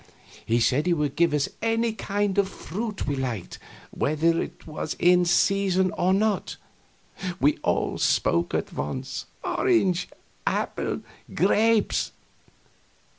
He said he would give us any kind of fruit we liked, whether it was in season or not. We all spoke at once: "Orange!" "Apple!" "Grapes!"